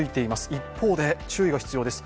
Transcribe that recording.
一方で、注意が必要です。